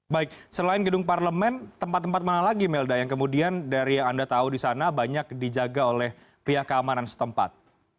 baik selain gedung parlemen tempat tempat mana lagi melda yang kemudian dari yang anda tahu di sana banyak dijaga oleh pihak keamanan setempat